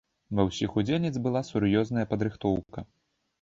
Ва ўсіх удзельніц была сур'ёзная падрыхтоўка.